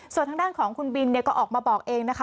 ส่วนทางด้านของคุณบินก็ออกมาบอกเองนะคะ